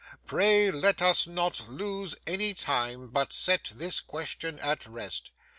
Pray let us not lose any time, but set this question at rest.